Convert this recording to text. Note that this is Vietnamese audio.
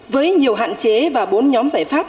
với nhiều hạn chế và bốn nhóm giải pháp